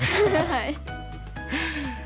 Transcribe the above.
はい。